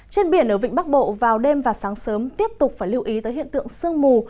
trên biển ở vịnh bắc bộ vào đêm và sáng sớm tiếp tục phải lưu ý tới hiện tượng sương mù